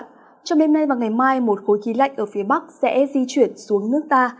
trong đêm nay và ngày mai một khối khí lạnh ở phía bắc sẽ di chuyển xuống nước ta